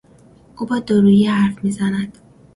او با دورویی حرف میزند.